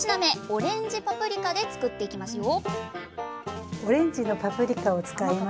オレンジパプリカで作っていきますよ